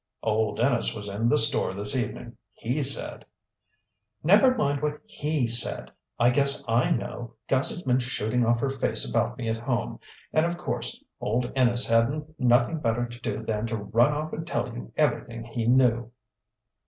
"Old Inness was in the store this evening. He said " "Never mind what he said! I guess I know. Gussie's been shooting off her face about me at home. And of course old Inness hadn't nothing better to do than to run off and tell you everything he knew!"